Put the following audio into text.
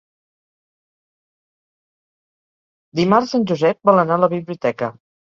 Dimarts en Josep vol anar a la biblioteca.